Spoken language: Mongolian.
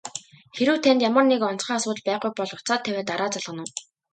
Хэрэв танд ямар нэг онцгой асуудал байхгүй бол утсаа тавиад дараа залгана уу?